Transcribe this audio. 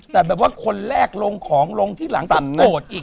แต่แบบว่าคนแรกลงของลงที่หลังตัดโกรธอีก